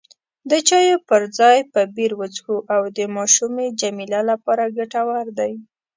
د چایو پر ځای به بیر وڅښو، دا د ماشومې جميله لپاره ګټور دی.